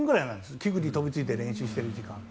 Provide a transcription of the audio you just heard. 器具に飛びついて練習している時間は。